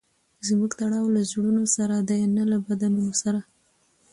زموږ تړاو له زړونو سره دئ؛ نه له بدنونو سره.